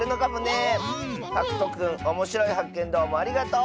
はくとくんおもしろいはっけんどうもありがとう。